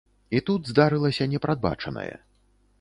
І тут здарылася непрадбачанае.